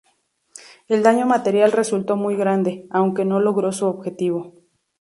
El daño material resultó muy grande, aunque no logró su objetivo.